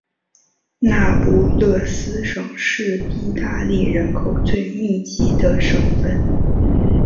那不勒斯省是意大利人口最密集的省份。